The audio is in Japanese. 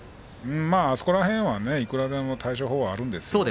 あの辺りはいくらでも対処法があるんですけどね。